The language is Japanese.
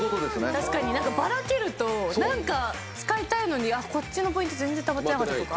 確かにバラけると何か使いたいのにこっちのポイント全然たまってなかったとか。